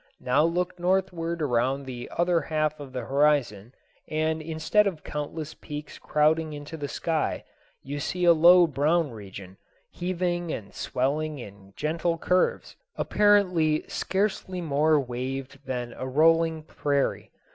Now look northward around the other half of the horizon, and instead of countless peaks crowding into the sky, you see a low brown region, heaving and swelling in gentle curves, apparently scarcely more waved than a rolling prairie.